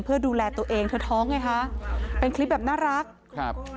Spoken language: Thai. เพื่อดูแลตัวเองเธอท้องไงคะเป็นคลิปแบบน่ารักครับ